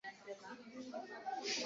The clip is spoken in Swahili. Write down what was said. kupitia kwa chama tawala cha nrm